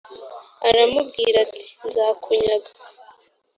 aramubwira ati “nzakunyaga”